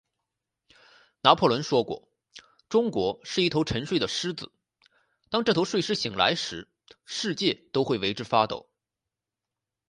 拿破仑说过，中国是一头沉睡的狮子，当这头睡狮醒来时，世界都会为之发抖。